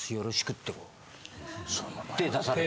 手出されて。